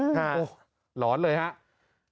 โอ้โหหลอนเลยครับ